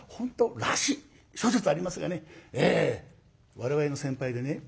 我々の先輩でね